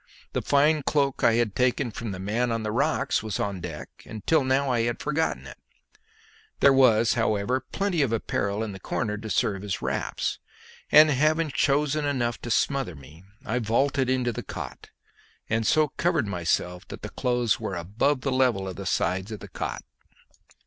The fine cloak I had taken from the man on the rocks was on deck, and till now I had forgotten it; there was, however, plenty of apparel in the corner to serve as wraps, and having chosen enough to smother me I vaulted into the cot, and so covered myself that the clothes were above the level of the sides of the cot.